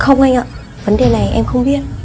không anh ạ vấn đề này em không biết